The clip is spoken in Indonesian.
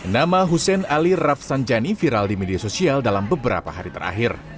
nama hussein ali rafsanjani viral di media sosial dalam beberapa hari terakhir